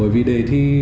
và đề thi